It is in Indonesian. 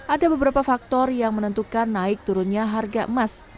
ada beberapa faktor yang menentukan naik turunnya harga emas